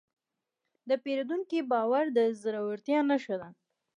د پیرودونکي باور د زړورتیا نښه ده.